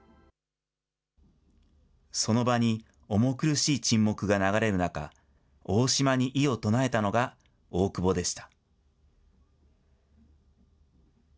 その場に重苦しい沈黙が流れる中、大島に異を唱えたのが大久保でした。